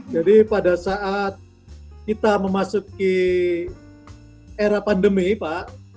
jadi pada saat kita memasuki era pandemi pak